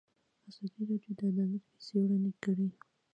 ازادي راډیو د عدالت کیسې وړاندې کړي.